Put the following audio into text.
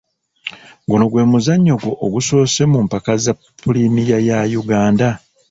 Guno gwe muzannyo gwo ogusoose mu mpaka za pulimiya ya Uganda?